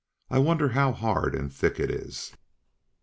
I wonder how hard and thick it is."